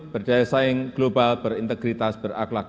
berdaya saing global berintegritas berakhlak